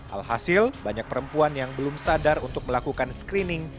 alhasil banyak perempuan yang belum sadar untuk melakukan screening